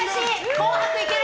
「紅白」行ける！